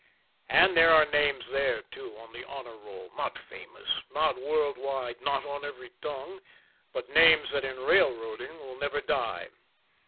And there are names there, too, on the honor roll not famous, not world wide, not on every tongue, but names that in railroading will never die.